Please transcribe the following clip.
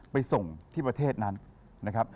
ไปส่งที่ประเทศนั้นนะครับ